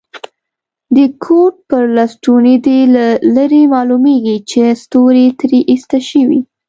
د کوټ پر لستوڼي دي له لرې معلومیږي چي ستوري ترې ایسته شوي.